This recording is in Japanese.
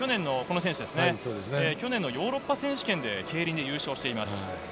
去年のヨーロッパ選手権で競輪で優勝しています。